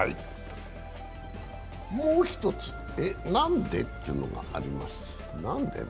もう一つ、えっなんで？というのがあります。